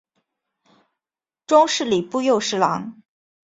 终仕礼部右侍郎。